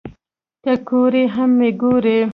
ته کور یې هم مې گور